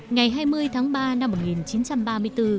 ngày hai mươi tháng ba năm một nghìn chín trăm ba mươi bốn